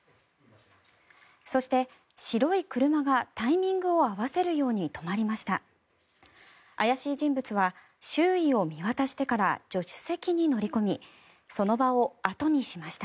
そして白い車がタイミングを合わせるように止まりました。